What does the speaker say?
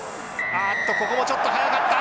あっとここもちょっと早かった。